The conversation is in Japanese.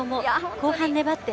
後半、粘って。